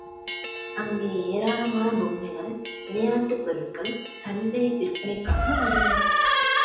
அங்கே ஏராளமான பொம்மைகள், விளையாட்டுப் பொருள்கள், சந்தை விற்பனைக்காக வரும்.